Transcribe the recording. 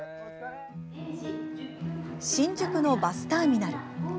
新宿のバスターミナル。